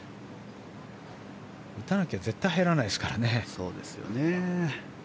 打たなきゃ絶対に入らないですからね。